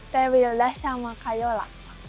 teh wildas sama kayola